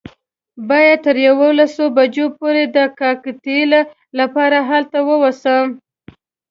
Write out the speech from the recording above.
باید تر یوولسو بجو پورې د کاکټیل لپاره هلته ووسم.